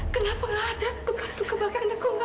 kenapa gak ada luka sebakar yang gak ada